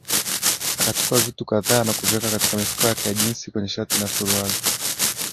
Akachukua vitu kadhaa na kuviweka katika mifuko yake ya jeans kwenye shati na suruali